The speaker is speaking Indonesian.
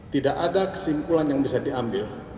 tidak ada kesimpulan yang bisa diambil